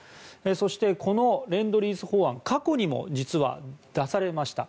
そして、このレンドリース法案過去にも実は出されました。